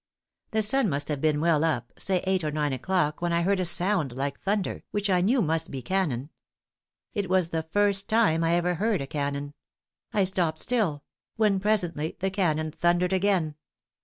"The sun must have been well up, say eight or nine o'clock, when I heard a sound like thunder, which I knew must be cannon. It was the First time I ever heard a cannon. I stopped still; when presently the cannon thundered again.